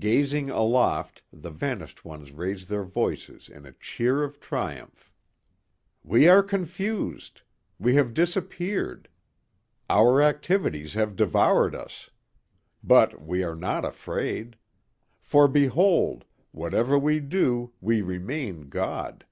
Gazing aloft the vanished ones raise their voices in a cheer of triumph. "We are confused. We have disappeared. Our activities have devoured us. But we are not afraid. For behold, whatever we do, we remain God.